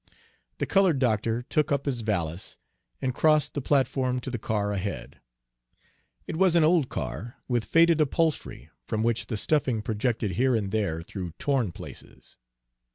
The colored doctor took up his valise and crossed the platform to the car ahead. It was an old car, with faded upholstery, from which the stuffing projected here and there through torn places.